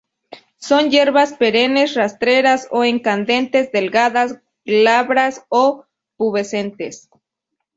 Son hierbas perennes, rastreras o escandentes, delgadas, glabras o pubescentes.